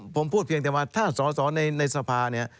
ผมพูดเพียงแต่ว่าถ้าสอสอในสภาเนี่ย